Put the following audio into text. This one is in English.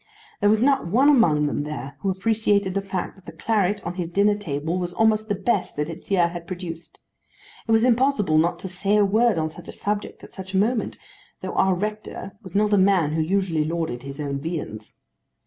There was not one among them there who appreciated the fact that the claret on his dinner table was almost the best that its year had produced. It was impossible not to say a word on such a subject at such a moment; though our rector was not a man who usually lauded his own viands.